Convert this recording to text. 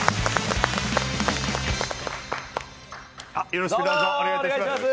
よろしくお願いします。